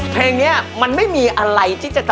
เพลงนี้มันไม่มีอะไรที่จะจำเป็น